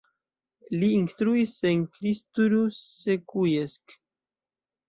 Li instruis en Cristuru Secuiesc.